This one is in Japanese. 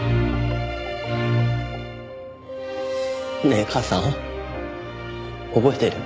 ねえ母さん覚えてる？